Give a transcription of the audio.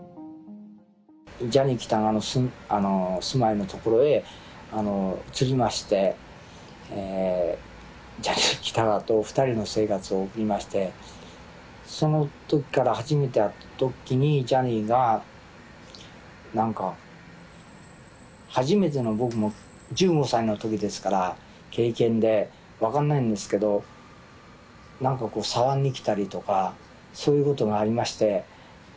ジャニー喜多川の住まいの所へ移りまして、ジャニー喜多川と２人の生活を送りまして、そのときから、初めて会ったときにジャニーが、なんか、初めての僕も、１５歳のときですから、経験で分かんないんですけど、なんか触りに来たりとか、そういうことがありまして。